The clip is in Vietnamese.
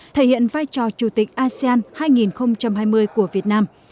thể hiện vai trò chủ tịch asean hai nghìn hai mươi của việt nam